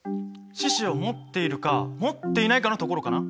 四肢をもっているかもっていないかのところかな。